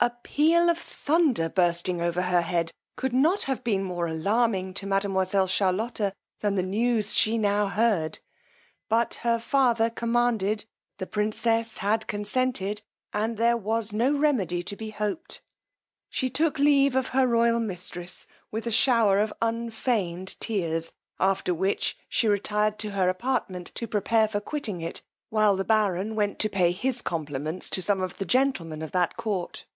_ A peal of thunder bursting over her head, could not have been more alarming to mademoiselle Charlotta than the news she now heard; but her father commanded, the princess had consented, and there was no remedy to be hoped: she took leave of her royal mistress with a shower of unfeigned tears, after which she retired to her apartment to prepare for quitting it, while the baron went to pay his compliments to some of the gentlemen at that court.